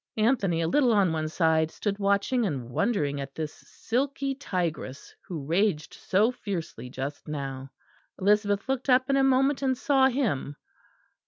Anthony, a little on one side, stood watching and wondering at this silky tigress who raged so fiercely just now. Elizabeth looked up in a moment and saw him.